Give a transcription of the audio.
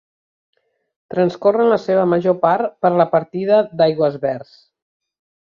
Transcorre en la seva major part per la Partida d'Aigüesverds.